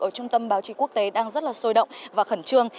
ở trung tâm báo chí quốc tế đang rất là sôi động và khẩn trương